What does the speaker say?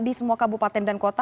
di semua kabupaten dan kota